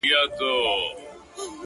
دې يوه لمن ښكلا په غېږ كي ايښې ده”